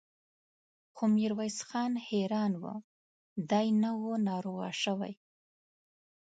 خو ميرويس خان حيران و، دی نه و ناروغه شوی.